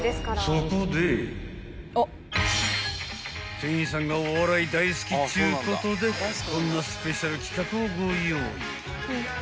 ［店員さんがお笑い大好きっちゅうことでこんなスペシャル企画をご用意］